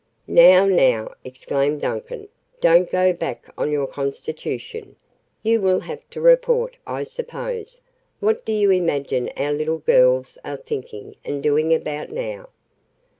"Now, now!" exclaimed Duncan. "Don't go back on your constitution. You will have to report, I suppose. What do you imagine our little girls are thinking and doing about now?"